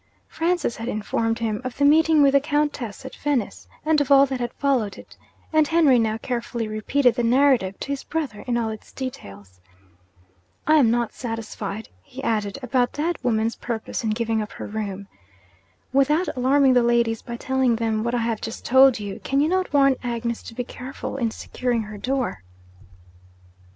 Francis had informed him of the meeting with the Countess at Venice, and of all that had followed it; and Henry now carefully repeated the narrative to his brother in all its details. 'I am not satisfied,' he added, 'about that woman's purpose in giving up her room. Without alarming the ladies by telling them what I have just told you, can you not warn Agnes to be careful in securing her door?'